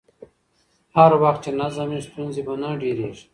هر وخت چې نظم وي، ستونزې به نه ډېرېږي.